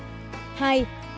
hai bảo mật thông tin